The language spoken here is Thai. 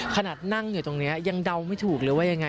ขนาดนั่งอยู่ตรงนี้ยังเดาไม่ถูกเลยว่ายังไง